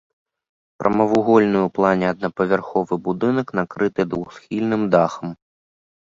Прамавугольны ў плане аднапавярховы будынак, накрыты двухсхільным дахам.